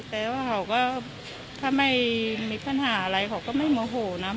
แต่ว่าเขาก็ถ้าไม่มีปัญหาอะไรเขาก็ไม่โมโหนะ